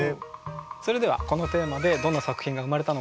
それではこのテーマでどんな作品が生まれたのか。